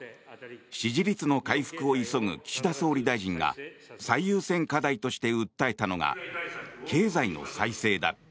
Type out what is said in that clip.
支持率の回復を急ぐ岸田総理大臣が最優先課題として訴えたのが経済の再生だ。